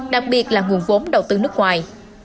đặc biệt là nguồn vốn đầu tư nước ngoài